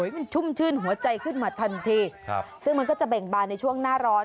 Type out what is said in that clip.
มันชุ่มชื่นหัวใจขึ้นมาทันทีซึ่งมันก็จะเบ่งบานในช่วงหน้าร้อน